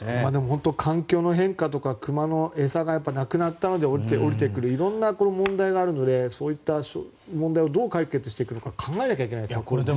本当に環境の変化とか熊の餌がなくなったので下りてくる色んな問題があるのでそういった問題をどう解決していくか考えていかないといけないですね。